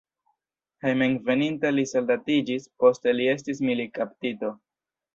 Hejmenveninta li soldatiĝis, poste li estis militkaptito.